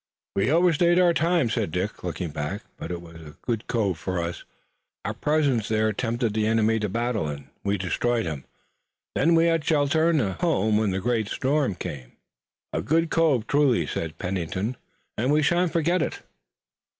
"We overstayed our time," said Dick, looking back, "but it was a good cove for us. Our presence there tempted the enemy to battle, and we destroyed him. Then we had shelter and a home when the great storm came." "A good cove, truly," said Pennington, "and we sha'n't forget it."